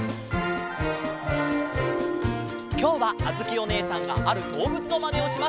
きょうはあづきおねえさんがあるどうぶつのまねをします。